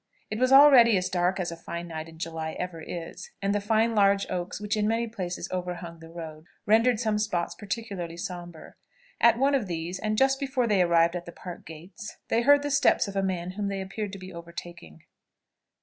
It was already as dark as a fine night in July ever is, and the fine large oaks which in many places overhung the road, rendered some spots particularly sombre. At one of these, and just before they arrived at the Park gates, they heard the steps of a man whom they appeared to be overtaking.